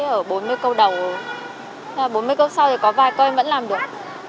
ở bốn mươi câu đầu bốn mươi câu sau thì có vài câu em vẫn làm được tầm hai ba bốn câu em không làm được